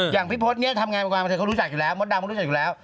อย่างพี่พศเนี่ยทำงานวงการบันเทิงเขารู้จักอยู่แล้วมดดำเขารู้จักอยู่แล้ว